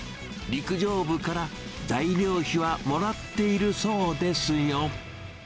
陸上部から材料費はもらっているそうですよ。